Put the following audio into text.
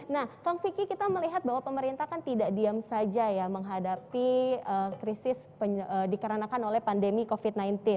nah kang vicky kita melihat bahwa pemerintah kan tidak diam saja ya menghadapi krisis dikarenakan oleh pandemi covid sembilan belas